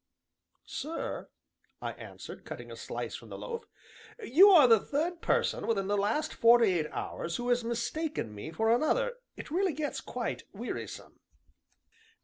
"Sir," I answered, cutting a slice from the loaf, "you are the third person within the last forty eight hours who has mistaken me for another; it really gets quite wearisome."